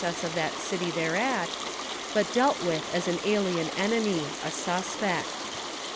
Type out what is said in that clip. S. of that city thereat, but dealt witli as an alien enemy, a suspect.